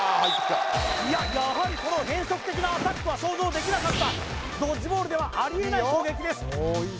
やはりこの変則的なアタックは想像できなかったドッジボールではありえない攻撃です